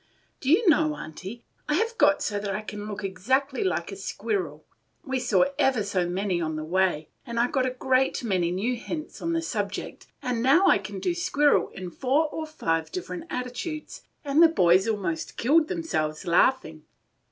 "Do you know, Aunty, I have got so that I can look exactly like a squirrel? We saw every so many on the way, and I got a great many new hints on the subject, and now I can do squirrel in four or five different attitudes, and the boys almost killed themselves laughing.